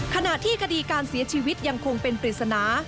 ขณะที่คดีการเสียชีวิตยังคงเป็นปริศนา